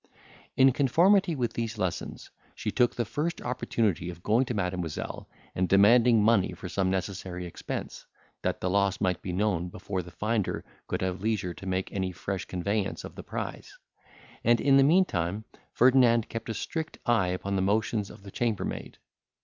In conformity with these lessons, she took the first opportunity of going to Mademoiselle, and demanding money for some necessary expense, that the loss might be known before the finder could have leisure to make any fresh conveyance of the prize; and, in the meantime, Ferdinand kept a strict eye upon the motions of the chambermaid.